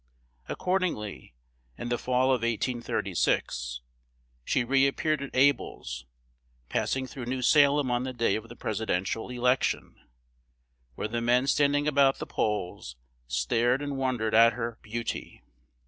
Accordingly, in the fall of 1836, she re appeared at Able's, passing through New Salem on the day of the presidential election, where the men standing about the polls stared and wondered at her "beauty."